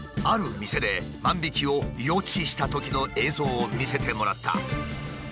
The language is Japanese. ある店で万引きを予知したときの映像を見せてもらった。